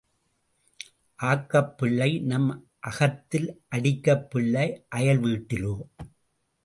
ஆக்கப் பிள்ளை நம் அகத்தில் அடிக்கப் பிள்ளை அயல் வீட்டிலோ?